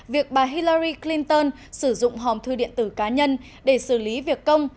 việc bà hillari clinton sử dụng hòm thư điện tử cá nhân để xử lý việc công